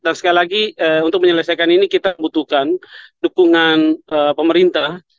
dan sekali lagi untuk menyelesaikan ini kita butuhkan dukungan pemerintah